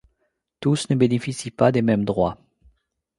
Tous ne bénéficient pas des mêmes droits.